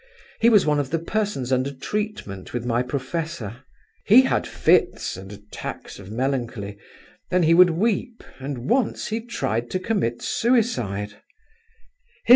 He was one of the persons under treatment with my professor; he had fits, and attacks of melancholy, then he would weep, and once he tried to commit suicide.